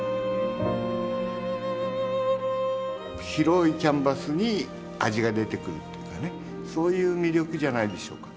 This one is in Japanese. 白いキャンバスに味が出てくるというかねそういう魅力じゃないでしょうか。